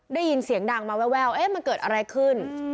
ได้ยินเสียงดังมาแววมันเกิดอะไรขึ้น